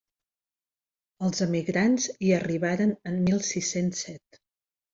Els emigrants hi arribaren en mil sis-cents set.